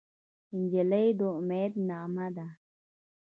نجلۍ د امید نغمه ده.